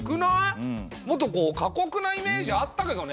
もっとこうかこくなイメージあったけどね！